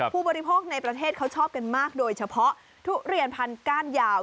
ผู้บริโภคในประเทศเขาชอบกันมากโดยเฉพาะทุเรียนพันก้านยาว